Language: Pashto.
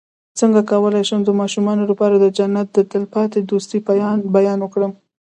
څنګه کولی شم د ماشومانو لپاره د جنت د تل پاتې دوستۍ بیان کړم